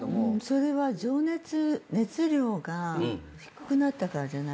それは情熱熱量が低くなったからじゃないですか？